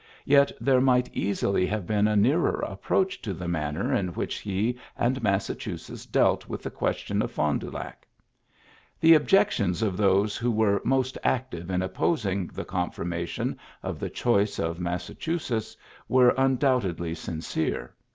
Yet there might easily have been a nearer approach to the manner in which he and Massachusetts dealt with the question of Fond du Lac. The objections of those who were most active in opposing the confirmation of the choice of Massachusetts were un doubtedly sincere.